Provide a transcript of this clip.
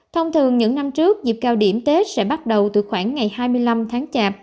thông thường những năm trước dịp cao điểm tết sẽ bắt đầu từ khoảng ngày hai mươi năm tháng chạp